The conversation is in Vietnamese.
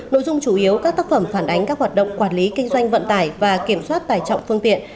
nội dung chủ yếu các tác phẩm phản ánh các hoạt động quản lý kinh doanh vận tải và kiểm soát tải trọng phương tiện